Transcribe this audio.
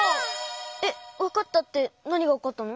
えっわかったってなにがわかったの？